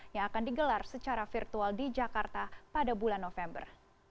yang akan digelar secara virtual di jakarta pada bulan november